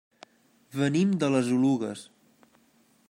Venim de les Oluges.